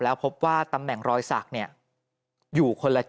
หลังจากพบศพผู้หญิงปริศนาตายตรงนี้ครับ